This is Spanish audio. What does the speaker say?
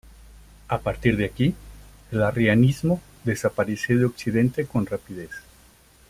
A partir de aquí, el arrianismo desapareció de occidente con rapidez.